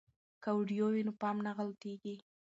که ویډیو وي نو پام نه غلطیږي.